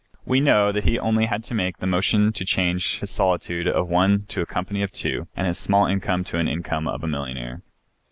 We know that he only had to make the motion to change his solitude of one to a company of two and his small income to the income of a millionaire.